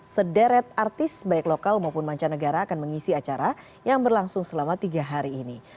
sederet artis baik lokal maupun mancanegara akan mengisi acara yang berlangsung selama tiga hari ini